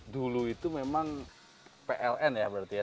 dulu itu memang pln ya berarti ya